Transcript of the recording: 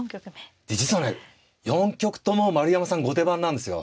実はね４局とも丸山さん後手番なんですよ。